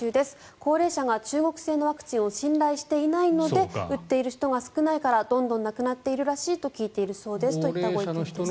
高齢者が中国製のワクチンを信頼していないので打っている人が少ないからどんどん亡くなっているらしいと聞いているそうですといった声です。